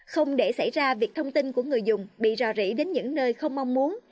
không để xảy ra việc thông tin của người dùng bị rò rỉ đến những nơi không mong muốn